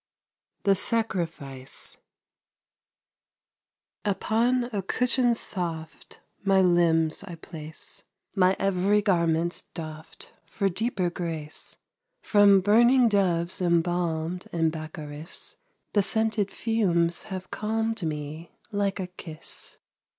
THE SACRIFICE Upon a cushion soft My limbs I place, My every garment doffed For deeper grace; From burning doves embalmed In baccharis, The scented fumes have calmed Me like a kiss.